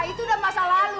itu udah masa lalu